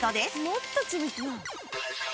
もっと緻密な。